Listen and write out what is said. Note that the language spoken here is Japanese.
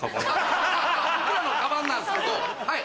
僕らのカバンなんすけど。